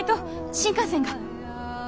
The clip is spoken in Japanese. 新幹線が！